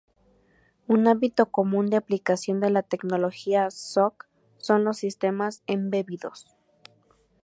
Un ámbito común de aplicación de la tecnología SoC son los sistemas embebidos.